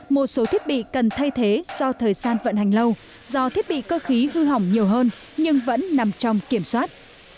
một số thiết bị cần thay thế do thời gian vận hành lâu do thiết bị cơ khí hư hỏng nhiều hơn nhưng vẫn nằm trong kiểm soát